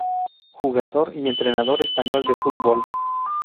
Jugador y entrenador español de Fútbol.